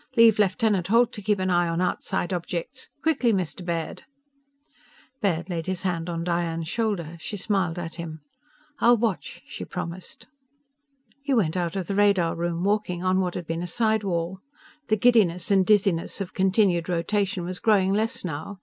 Leave Lieutenant Holt to keep an eye on outside objects. Quickly, Mr. Baird!_" Baird laid his hand on Diane's shoulder. She smiled at him. "I'll watch!" she promised. He went out of the radar room, walking on what had been a side wall. The giddiness and dizziness of continued rotation was growing less, now.